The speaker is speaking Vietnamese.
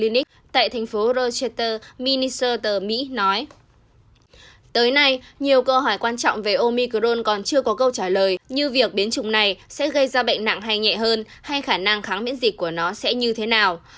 tới nay nhiều câu hỏi quan trọng về omicron còn chưa có câu trả lời như việc biến chủng này sẽ gây ra bệnh nặng hay nhẹ hơn hay khả năng kháng miễn dịch của nó sẽ như thế nào